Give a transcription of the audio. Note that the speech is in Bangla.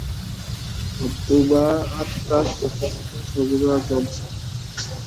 নতুবা আত্মা সূর্যের মত সর্বদা জ্বলছেন।